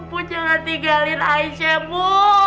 bu jangan tinggalin aisyah bu